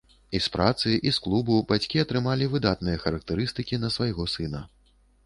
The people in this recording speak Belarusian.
І з працы, і з клубу бацькі атрымалі выдатныя характарыстыкі на свайго сына.